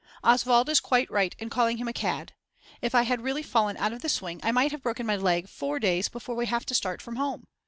Oswald is quite right in calling him a cad. If I had really fallen out of the swing I might have broken my leg 4 days before we have to start from home.